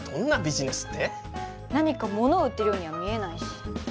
何か物を売ってるようには見えないし。